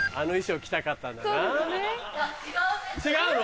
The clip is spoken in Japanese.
違うの？